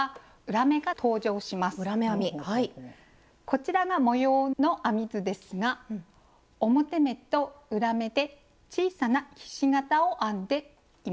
こちらが模様の編み図ですが表目と裏目で小さなひし形を編んでいます。